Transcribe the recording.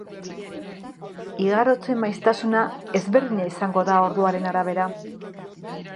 Igarotze maiztasuna ezberdina izango da orduaren arabera.